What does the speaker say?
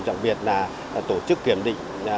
chẳng biệt là tổ chức kiểm định